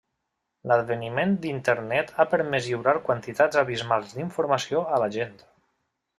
L'adveniment d'Internet ha permès lliurar quantitats abismals d'informació a la gent.